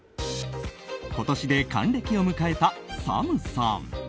今年で還暦を迎えたＳＡＭさん。